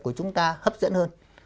của chúng ta hấp dẫn hơn